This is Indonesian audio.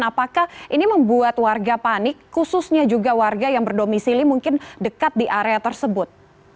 apakah ini membuat warga panik khususnya juga warga yang berdomisili mungkin dekat di area tersebut